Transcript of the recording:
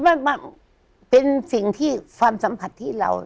มันเป็นสิ่งที่ความสัมผัสที่เรา